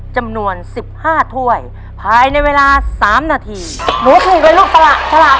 จำนวนสิบห้าถ้วยภายในเวลาสามนาทีหนูขึ้นไปลูกตลาดตลาด